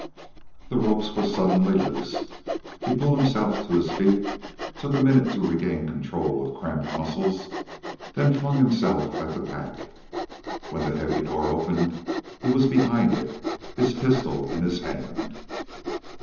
The ropes were suddenly loose. He pulled himself to his feet, took a moment to regain control of cramped muscles, then flung himself at the pack. When the heavy door opened he was behind it, his pistol in his hand.